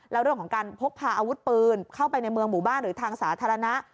แล้วเรื่องของการพกพาอาวุธปืนเข้าไปในเมืองหมู่บ้านหรือทางสาธารณะ